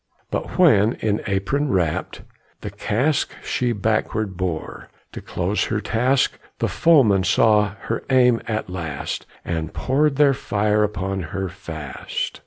But when, in apron wrapped, the cask She backward bore, to close her task, The foemen saw her aim at last, And poured their fire upon her fast.